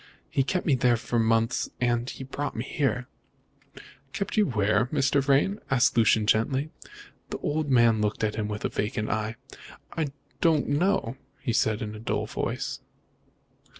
He kept me there for months, and then he brought me here." "Kept you where, Mr. Vrain?" asked Lucian gently. The old man looked at him with a vacant eye. "I don't know," he said in a dull voice.